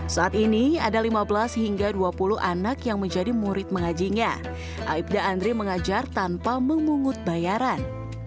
saat ini ada lima belas hingga dua puluh anak yang menjadi murid mengajinya aibda andri mengajar tanpa memungut bayaran